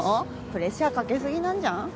プレッシャーかけ過ぎなんじゃん？